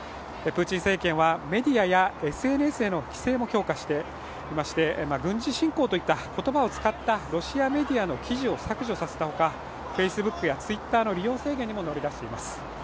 プーチン政権はメディアやＳＮＳの規制も強化していまして軍事侵攻といった言葉を使ったロシアメディアの記事を削除させたほかＦａｃｅｂｏｏｋやＴｗｉｔｔｅｒなどの利用制限にも乗り出しています。